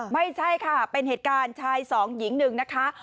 ไม่ใช่ค่ะเป็นเหตุการณ์ชายสองหญิงหนึ่งนะคะ